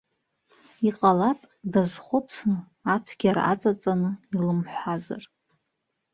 Иҟалап, дазхәыцны, ацәгьара аҵаҵаны илымҳәазар.